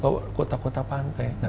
kalau bawa ke kota kota pantai